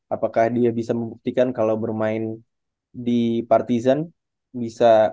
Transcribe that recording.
apakah dia bisa membuktikan kalau bermain di partisan bisa